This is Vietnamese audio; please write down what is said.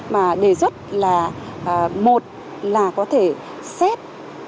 mà đề xuất là một là có thể xét